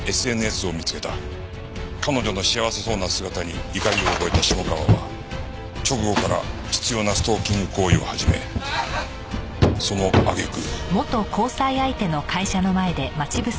彼女の幸せそうな姿に怒りを覚えた下川は直後から執拗なストーキング行為を始めその揚げ句。